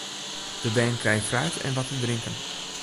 De bern krije fruit en wat te drinken.